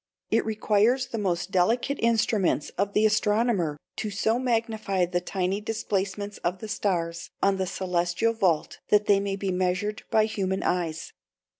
It requires the most delicate instruments of the astronomer to so magnify the tiny displacements of the stars on the celestial vault that they may be measured by human eyes.